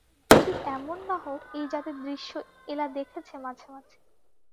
ঠিক এমন না হোক এই জাতের দৃশ্য এলা দেখেছে মাঝে মাঝে।